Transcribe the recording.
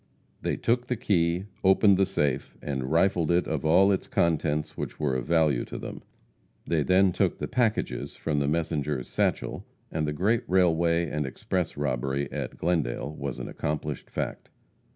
They took the key, opened the safe, and rifled it of all its contents which were of value to them. They then took the packages from the messenger's satchel, and the great railway and express robbery at Glendale was an accomplished fact.